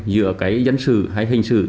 giữa cái dân sự hay hình sự